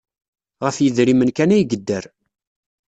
Ɣef yedrimen kan ay yedder.